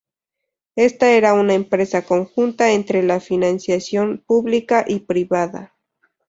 Esta era una empresa conjunta entre la financiación pública y privada.